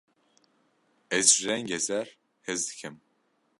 Ez ji rengê zer hez dikim.